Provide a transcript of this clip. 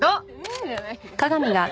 「ん」じゃないよ。